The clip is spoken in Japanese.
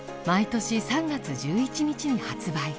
毎年３月１１日に発売。